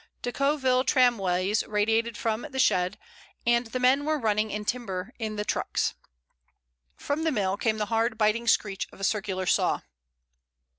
Decauville tramways radiated from the shed, and the men were running in timber in the trucks. From the mill came the hard, biting screech of a circular saw.